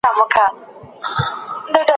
د محلي کلتور د ونو د خوندیتوب پروژ و.